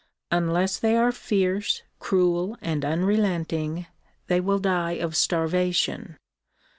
Unless they are fierce, cruel and unrelenting they will die of starvation.